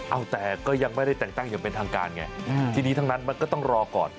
เอาแต่ก็ยังไม่ได้แต่งตั้งอย่างเป็นทางการไงทีนี้ทั้งนั้นมันก็ต้องรอก่อน